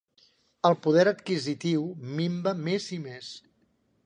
El poder adquisitiu minva més i més.